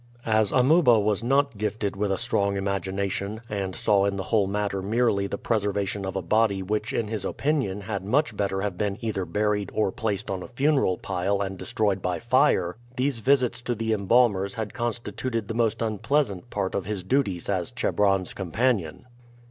As Amuba was not gifted with a strong imagination, and saw in the whole matter merely the preservation of a body which in his opinion had much better have been either buried or placed on a funeral pile and destroyed by fire, these visits to the embalmers had constituted the most unpleasant part of his duties as Chebron's companion.